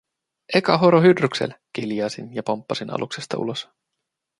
"Eka horo Hydruksel!", kiljaisin ja pomppasin aluksesta ulos.